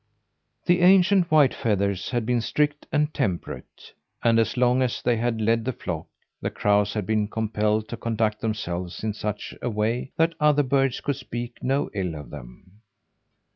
The ancient Whitefeathers had been strict and temperate; and as long as they had led the flock, the crows had been compelled to conduct themselves in such a way that other birds could speak no ill of them.